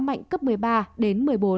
mạnh cấp một mươi ba đến một mươi bốn